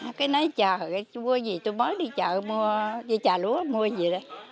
ờ cái nói trời ơi chua gì tôi mới đi chợ mua đi trà lúa mua gì đấy